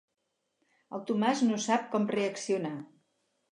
El Tomàs no sap com reaccionar.